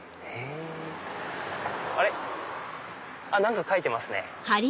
あれ⁉何か書いてますね。